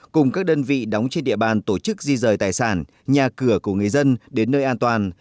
cùng các đơn vị đóng trên địa bàn tổ chức di rời tài sản nhà cửa của người dân đến nơi an toàn